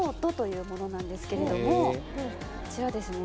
こちらですね。